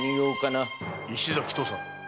石崎土佐。